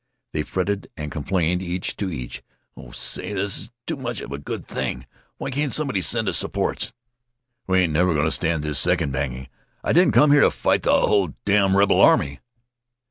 They fretted and complained each to each. "Oh, say, this is too much of a good thing! Why can't somebody send us supports?" "We ain't never goin' to stand this second banging. I didn't come here to fight the hull damn' rebel army."